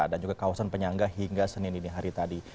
dan juga kawasan penyangga hingga senin ini hari tadi